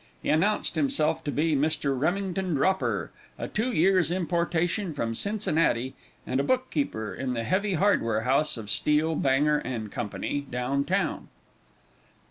He announced himself to be Mr. Remington Dropper, a two years' importation from Cincinnati, and a book keeper in the heavy hardware house of Steel, Banger & Co., down town.